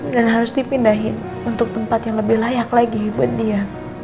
dan harus dipindahin untuk tempat yang lebih layak lagi buat dia